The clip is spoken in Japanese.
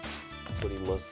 取ります。